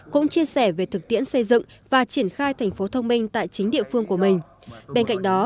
cũng chia sẻ về thực tiễn xây dựng và triển khai thành phố thông minh tại chính địa phương của mình